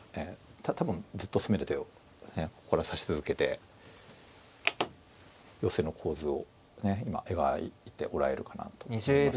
多分ずっと攻める手をここから指し続けて寄せの構図を今描いておられるかなと思います。